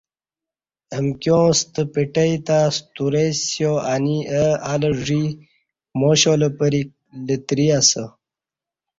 امکیاں ستہ پٹئ تہ ستورئی سِیا انی اہ الہ ژی ماشال پرِک لتیری اسہ